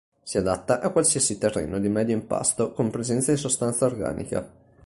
Si adatta a qualsiasi terreno di medio impasto con presenza di sostanza organica.